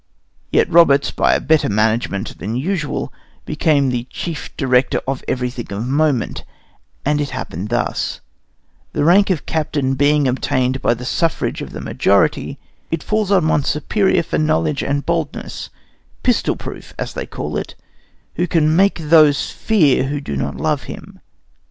Yet Roberts, by a better management than usual, became the chief director in everything of moment; and it happened thus: The rank of captain being obtained by the suffrage of the majority, it falls on one superior for knowledge and boldness pistol proof, as they call it who can make those fear who do not love him.